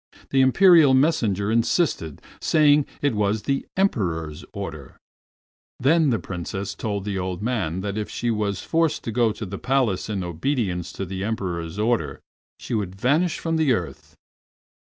The Imperial messenger insisted, saying it was the Emperor's order. Then Princess Moonlight told the old man that if she was forced to go to the Palace in obedience to the Emperor's order, she would vanish from the earth.